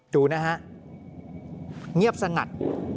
ดูนะฮะเงียบสงัด